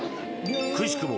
くしくも